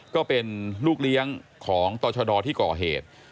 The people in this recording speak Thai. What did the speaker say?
ก็เป็นลูกเลี้ยงของตรชดที่ก่อเหตุ